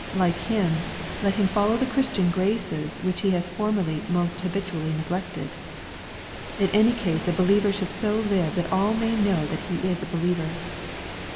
Like him, let him follow the Christian graces which he has formerly most habitually neglected. In any case a believer should so live that all may know that he is a believer.